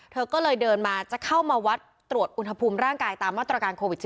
เธอก็เลยเดินมาจะเข้ามาวัดตรวจอุณหภูมิร่างกายตามมาตรการโควิด๑๙